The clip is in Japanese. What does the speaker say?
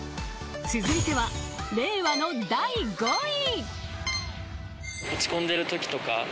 ［続いては令和の第５位］